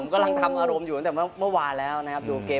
ไม่ผมกำลังทำอารมณ์อยู่ตั้งแต่เมื่อวานแหละดูเกม